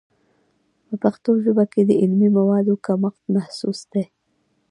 په پښتو ژبه کې د علمي موادو کمښت محسوس دی.